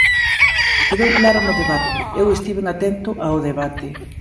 Quedou claro no debate, eu estiven atento ao debate.